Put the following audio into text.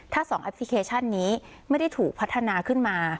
ถ้า๒แอปพลิเคชันนี้ไม่ได้ถูกพัฒนาขึ้นมา